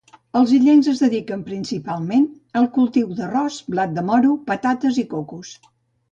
Els illencs es dediquen principalment al cultiu d'arròs, blat de moro, patates i cocos.